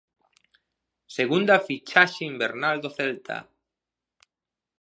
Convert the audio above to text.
Segunda fichaxe invernal do Celta.